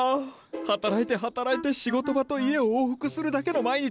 働いて働いて仕事場と家を往復するだけの毎日！